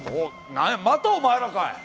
何やまたお前らかい。